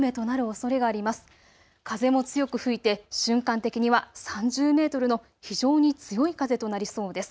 風も強く吹いて瞬間的には３０メートルの非常に強い風となりそうです。